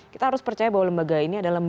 kita harus percaya bahwa lembaga ini adalah